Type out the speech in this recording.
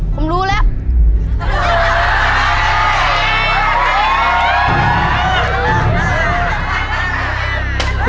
ผมรู้แล้ว